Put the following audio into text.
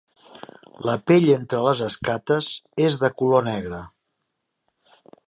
La pell entre les escates és de color negre.